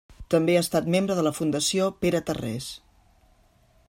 També ha estat membre de la Fundació Pere Tarrés.